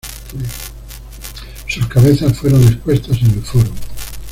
Sus cabezas fueron expuestas en el Foro.